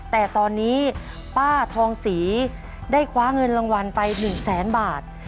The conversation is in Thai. แต่ตอนนี้ป้าทองศรีได้คว้าเงินรางวัลไป๑แสนบาท